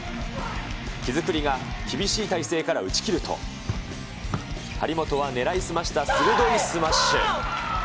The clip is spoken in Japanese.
木造が厳しい体勢から打ち切ると、張本は狙い澄ました鋭いスマッシュ。